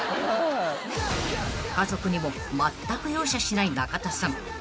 ［家族にもまったく容赦しない中田さん］